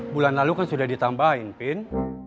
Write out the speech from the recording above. bulan lalu kan sudah ditambahin pin